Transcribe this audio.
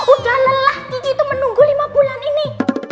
udah lelah gigi itu menunggu lima bulan ini